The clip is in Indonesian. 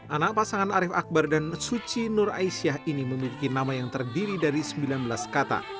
anak pasangan arief akbar dan suci nur aisyah ini memiliki nama yang terdiri dari sembilan belas kata